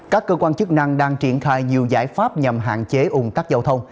các cơ quan chức năng đang triển khai nhiều giải pháp nhằm hạn chế ủng tắc giao thông